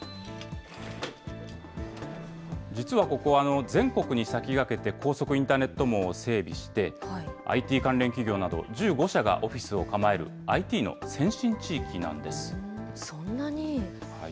実はここ、全国に先駆けて、高速インターネット網を整備して、ＩＴ関連企業など１５社がオフィスを構えるＩＴの先進地域なんでそんなに。